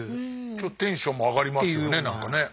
ちょっとテンションも上がりますよねなんかね。